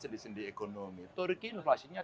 sendi sendi ekonomi turki inflasinya